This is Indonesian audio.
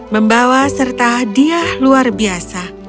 membawa serta hadiah luar biasa